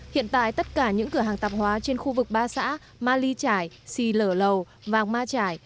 hiện tại tất cả những cửa hàng tạp hóa trên khu vực ba xã ma ly chải xì lở lầu vàng ma trải